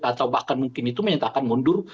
atau bahkan mungkin itu menyatakan mundur